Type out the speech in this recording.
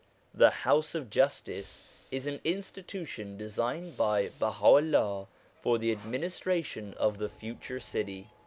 the House of Justice, is an institution designed by Baha'ullah for the administration of the future city.